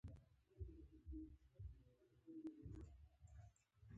پراخ درک د سولې لاره پرانیزي.